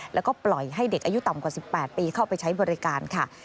แล้วก็ปล่อยให้เด็กอายุต่ำกว่า๑๘ปีเข้าไปใช้บริการค่ะ